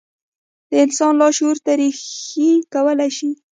د انسان لاشعور ته رېښې کولای شي.